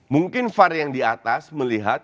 mungkin var yang di atas melihat